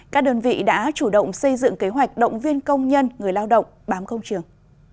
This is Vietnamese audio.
các đơn vị đã chủ động xây dựng kế hoạch động viên công nhân người lao động bám công trường